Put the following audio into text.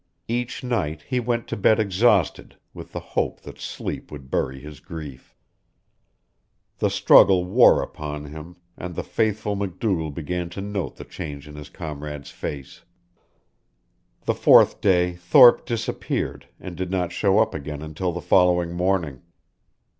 Each night he went to bed exhausted, with the hope that sleep would bury his grief. The struggle wore upon him, and the faithful MacDougall began to note the change in his comrade's face. The fourth day Thorpe disappeared and did not show up again until the following morning.